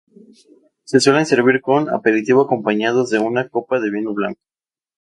Se suelen servir como aperitivo acompañados de una copa de vino blanco.